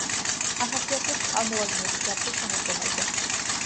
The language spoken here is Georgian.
ახასიათებს წყალმოვარდნები ზაფხულ-შემოდგომაზე.